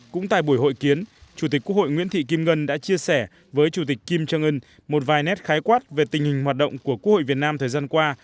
cũng tại buổi hội kiến chủ tịch quốc hội nguyễn thị kim ngân đã chia sẻ với chủ tịch kim trương ngân một vài nét khái quát về tình hình hoạt động của quốc hội việt nam thời gian qua